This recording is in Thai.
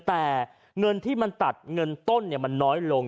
แต่เงินที่มันตัดเงินต้นมันน้อยลง